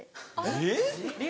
えっ？